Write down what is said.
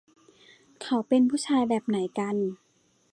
เขาเป็นผู้ชายแบบไหนกัน